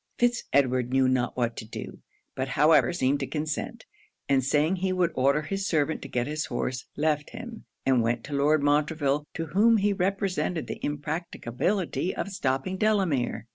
Fitz Edward knew not what to do; but however seemed to consent; and saying he would order his servant to get his horse, left him, and went to Lord Montreville, to whom he represented the impracticability of stopping Delamere.